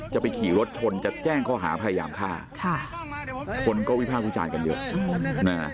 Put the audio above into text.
จะไปขี่รถชนจะแจ้งข้อหาพยายามฆ่าค่ะคนก็วิภาควิจารณ์กันเยอะนะ